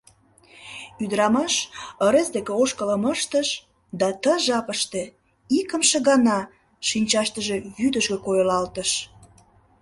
Ӱдырамаш ырес деке ошкылым ыштыш, да ты жапыште икымше гана шинчаштыже вӱдыжгӧ койылалтыш.